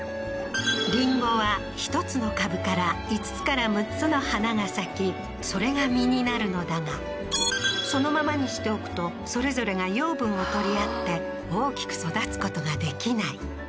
りんごは１つの株から５つから６つの花が咲きそれが実になるのだがそのままにしておくとそれぞれが養分を取り合って大きく育つことができない